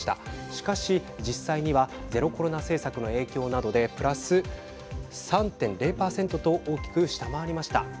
しかし実際にはゼロコロナ政策の影響などでプラス３．０％と大きく下回りました。